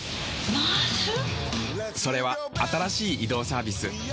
それは新しい移動サービス「ＭａａＳ」。